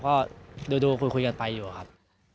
ก็ดูคุยกันไปอยู่ครับ